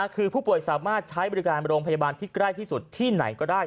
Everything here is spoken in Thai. คือผู้ป่วยสามารถใช้บริการโรงพยาบาลที่ใกล้ที่สุดที่ไหนก็ได้